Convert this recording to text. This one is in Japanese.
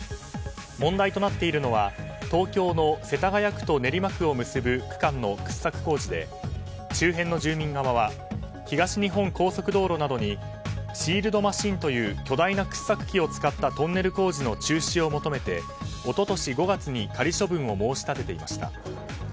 問題となっているのは東京の世田谷区と練馬区を結ぶ区間の掘削工事で周辺の住民側は東日本高速道路などにシールドマシンという巨大な掘削機を使ったトンネル工事の中止を求めて一昨年５月に仮処分を申し立てていました。